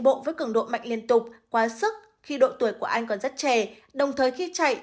bộ với cường độ mạnh liên tục quá sức khi độ tuổi của anh còn rất trẻ đồng thời khi chạy